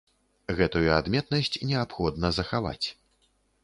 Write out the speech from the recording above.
Гэтую адметнасць неабходна захаваць.